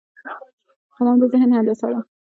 قلم د ذهن هندسه ده